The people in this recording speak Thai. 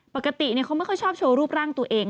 ปกติเขาไม่ค่อยชอบโชว์รูปร่างตัวเอง